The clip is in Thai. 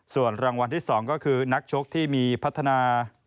ส่วนรางวัลที่๒ก็คือนักชกที่มีพัฒนา